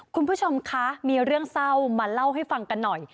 คุณผู้ชมคะมีเรื่องเศร้ามาเล่าให้ฟังกันหน่อย